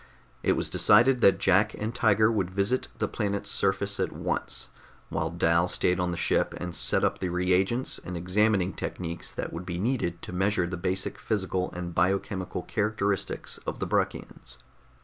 It was decided that Jack and Tiger would visit the planet's surface at once, while Dal stayed on the ship and set up the reagents and examining techniques that would be needed to measure the basic physical and biochemical characteristics of the Bruckians.